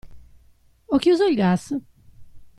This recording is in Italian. Ho chiuso il gas?